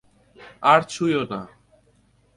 আর ছুঁয়ো না।